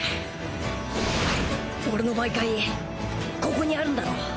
俺の媒介ここにあるんだろう？